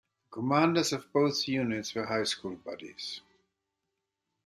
The commanders of both units were high school buddies.